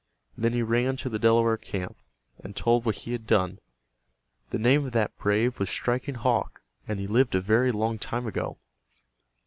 Then he ran to the Delaware camp, and told what he had done. The name of that brave man was Striking Hawk, and he lived a very long time ago."